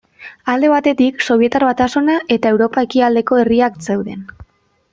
Alde batetik Sobietar Batasuna eta Europa ekialdeko herriak zeuden.